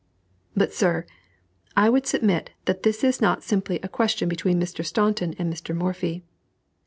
But, sir, I would submit that this is not simply a question between Mr. Staunton and Mr. Morphy.